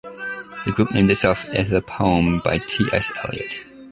The group named itself after the poem by T. S. Eliot.